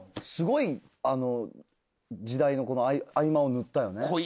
すごい時代の合間を縫ったよね。